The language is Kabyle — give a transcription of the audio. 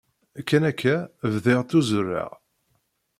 Kan akka, bdiɣ ttuzureɣ.